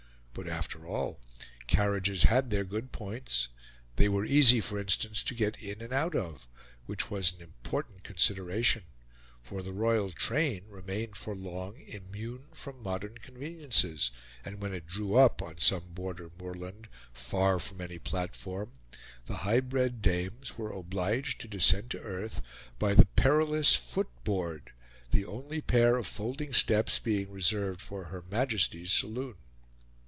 But, after all, carriages had their good points; they were easy, for instance, to get in and out of, which was an important consideration, for the royal train remained for long immune from modern conveniences, and when it drew up, on some border moorland, far from any platform, the highbred dames were obliged to descend to earth by the perilous foot board, the only pair of folding steps being reserved for Her Majesty's saloon.